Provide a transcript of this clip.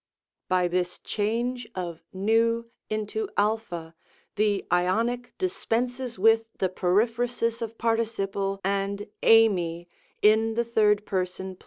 By this change of v into cc the Ionic dispenses with the periphrasis of par ticiple and ti/iic in the 3d Person PI.